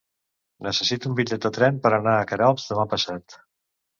Necessito un bitllet de tren per anar a Queralbs demà passat.